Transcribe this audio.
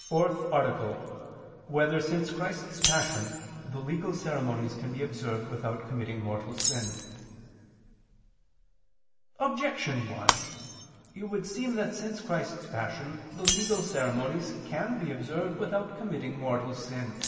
________________________ FOURTH ARTICLE [I II, Q. 103, Art. 4] Whether Since Christ's Passion the Legal Ceremonies Can Be Observed Without Committing Mortal Sin? Objection 1: It would seem that since Christ's Passion the legal ceremonies can be observed without committing mortal sin.